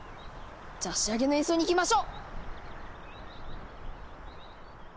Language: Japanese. じゃあ仕上げの演奏にいきましょう！